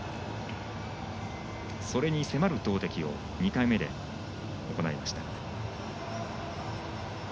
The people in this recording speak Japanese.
それに迫る投てきを２回目で行いました。